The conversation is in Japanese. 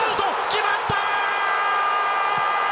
決まった！